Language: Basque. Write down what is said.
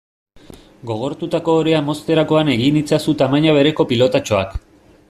Gogortutako orea mozterakoan egin itzazu tamaina bereko pilotatxoak.